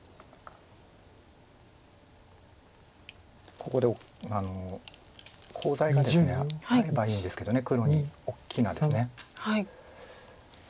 ここでコウ材がですねあればいいんですけど黒に大きなです。